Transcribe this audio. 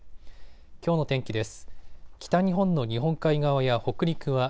きょうの天気です。